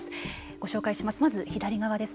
ご紹介します。